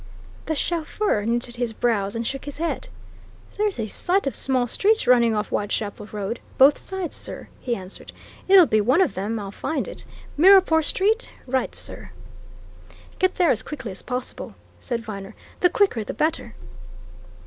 The chauffeur knitted his brows and shook his head. "There's a sight of small streets running off Whitechapel Road, both sides, sir," he answered. "It'll be one of them I'll find it. Mirrapore Street? Right, sir." "Get there as quickly as possible," said Viner. "The quicker the better."